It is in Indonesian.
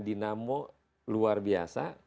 dinamo luar biasa